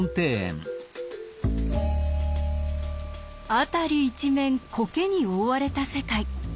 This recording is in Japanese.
辺り一面コケに覆われた世界。